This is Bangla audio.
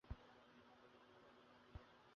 দেখিলেন, সে নক্ষত্ররায় আর নাই।